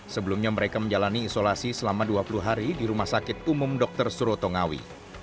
sebelumnya mereka menjalani isolasi selama dua puluh hari di rumah sakit umum dr suroto ngawi